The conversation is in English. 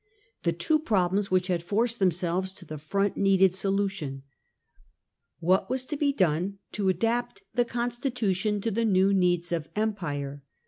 The two problems which had forced themselves to the front needed solution. What was to be done to adapt the constitution to the new needs of empire